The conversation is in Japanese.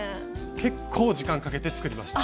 結構時間かけて作りました。